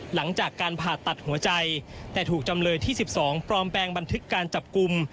หลังจากการผ่าตัดหัวใจแต่ถูกจำเลยที่๑๒ปลอมแปลงบันทึกการจับกลุ่ม